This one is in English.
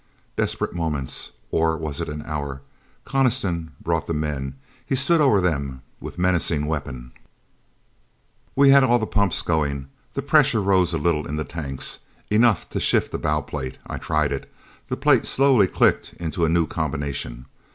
Desperate moments. Or was it an hour? Coniston brought the men. He stood over them with menacing weapon. We had all the pumps going. The pressure rose a little in the tanks. Enough to shift a bow plate. I tried it. The plate slowly clicked into a new combination.